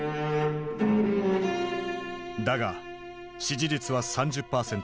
だが支持率は３０％。